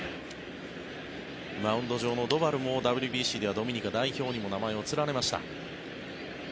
マウンド上のドバルもＷＢＣではドミニカ代表にも名前を連ねました。